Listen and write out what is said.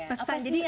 apa sih langkahnya